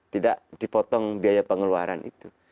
tidak dipotong biaya pengeluaran itu